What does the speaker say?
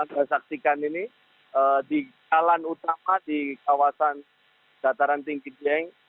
saya saksikan ini di jalan utama di kawasan dataran tinggi dieng